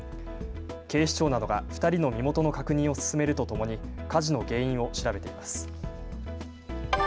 警視庁などが２人の身元の確認を進めるとともに火事の原因を調べています。